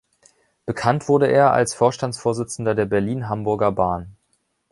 Bekannt wurde er als Vorstandsvorsitzender der Berlin-Hamburger Bahn.